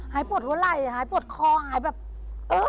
หายปวดหัวไหล่หายปวดคอหายแบบเออ